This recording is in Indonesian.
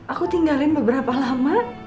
aku tinggalin beberapa lama